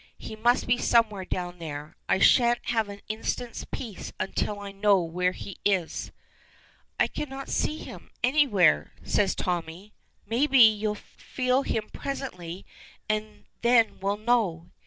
He must be somewhere down there. I shan't have an instant's peace until I know where he is." "I can't see him anywhere," says Tommy. "Maybe you'll feel him presently, and then we'll know.